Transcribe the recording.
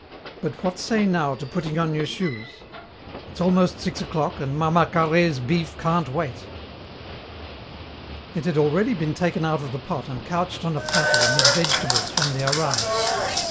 But what say, now, to putting on your shoes? It's almost six o'clock and Mama Carhaix's beef can't wait." It had already been taken out of the pot and couched on a platter amid vegetables when they arrived.